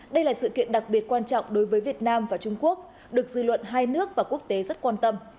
đây là sự kiện đặc biệt quan trọng đối với việt nam và trung quốc được dư luận hai nước và quốc tế rất quan tâm